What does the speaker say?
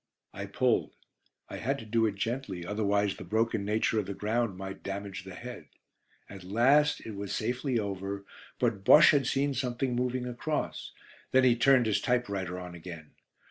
I pulled. I had to do it gently, otherwise the broken nature of the ground might damage the head. At last it was safely over, but Bosche had seen something moving across; then he turned his typewriter on again.